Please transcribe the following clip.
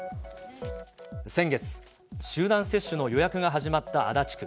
先月、集団接種の予約が始まった足立区。